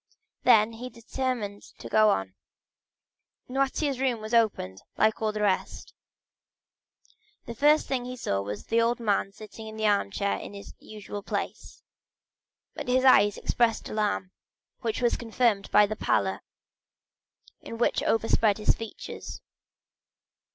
Then he determined to go up. Noirtier's room was opened, like all the rest. The first thing he saw was the old man sitting in his armchair in his usual place, but his eyes expressed alarm, which was confirmed by the pallor which overspread his features.